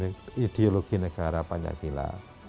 terkait dengan ideologi negara pancasila